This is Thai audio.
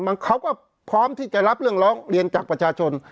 เขาก็พร้อมที่จะรับเรื่องร้องเรียนจากประชาชน